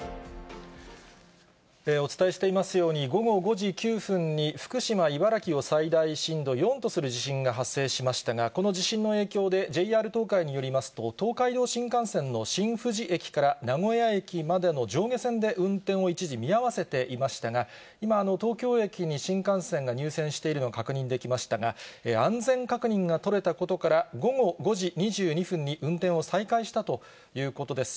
お伝えしていますように、午後５時９分に福島、茨城を最大震度４とする地震が発生しましたが、この地震の影響で、ＪＲ東海によりますと、東海道新幹線の新富士駅から名古屋駅までの上下線で、運転を一時見合わせていましたが、今、東京駅に新幹線が入線しているの、確認できましたが、安全確認が取れたことから、午後５時２２分に運転を再開したということです。